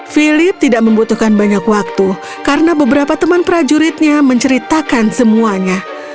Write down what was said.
philip tidak membutuhkan banyak waktu karena beberapa teman prajuritnya menceritakan semuanya